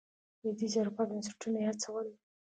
لوېدیځې اروپا بنسټونه یې هڅول.